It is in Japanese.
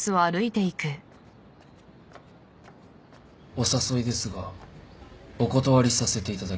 お誘いですがお断りさせていただきます。